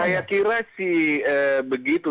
saya kira sih begitu